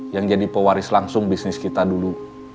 yang jadi pewaris langsung bisnis kita dulu